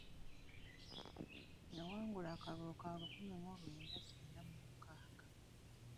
Yawangula akalulu ka lukumi mu lwenda kyenda mu mukaaga.